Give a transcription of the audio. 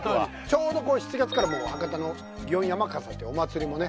ちょうど７月から博多の祇園山笠っていうお祭りもね